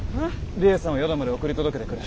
梨江さんを宿まで送り届けてくれ。